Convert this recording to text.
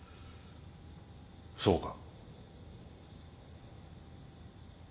そうか。